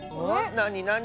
なになに？